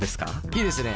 いいですね。